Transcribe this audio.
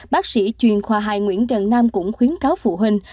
bác sĩ truyền khoa hài nguyễn trần nam cũng khuyến cáo phụ huynh